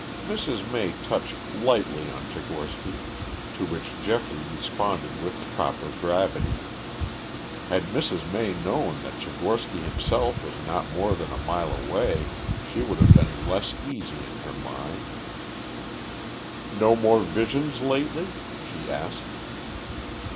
Mrs. May touched lightly on Tchigorsky, to which Geoffrey responded with proper gravity. Had Mrs. May known that Tchigorsky himself was not more than a mile away she would have been less easy in her mind. "No more visions lately?" she asked.